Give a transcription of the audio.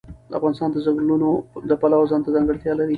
افغانستان د ځنګلونه د پلوه ځانته ځانګړتیا لري.